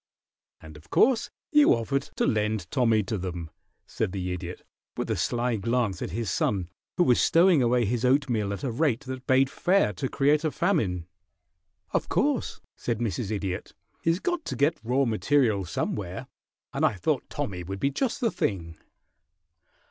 "And of course you offered to lend Tommy to them?" said the Idiot, with a sly glance at his son, who was stowing away his oatmeal at a rate that bade fair to create a famine. "Of course," said Mrs. Idiot. "He's got to get raw material somewhere, and I thought Tommy would be just the thing."